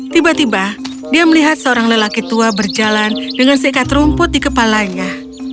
tiba tiba dia melihat seorang lelaki tua berjalan dengan seikat rumput di kepalanya